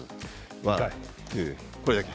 これだけ。